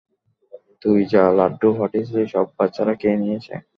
তুই যা লাড্ডু পাঠিয়েছিলি সব বাচ্চারা খেয়ে নিয়েছে!